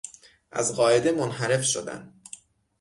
از قاعده منحرف شدن